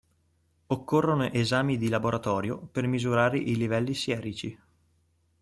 Occorrono esami di laboratorio, per misurare i livelli sierici.